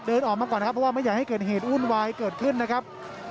ออกมาก่อนนะครับเพราะว่าไม่อยากให้เกิดเหตุวุ่นวายเกิดขึ้นนะครับ